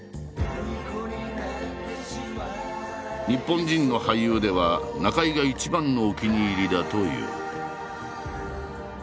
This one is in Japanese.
日本人の俳優では中井が一番のお気に入りだという。